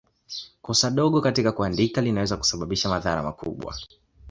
Kosa dogo katika kuandika linaweza kusababisha madhara makubwa.